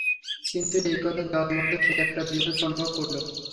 কিন্তু এই কথা দেওয়ার মধ্যে সে একটা দীনতা অনুভব করিল।